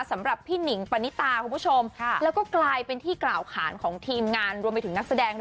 สำหรับพี่หนิงปณิตาคุณผู้ชมแล้วก็กลายเป็นที่กล่าวขานของทีมงานรวมไปถึงนักแสดงด้วย